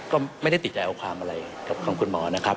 ก็ไม่ได้ติดใจเอาความอะไรกับทางคุณหมอนะครับ